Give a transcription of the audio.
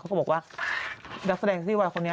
เขาก็บอกว่านักแสดงซีรีส์วายคนนี้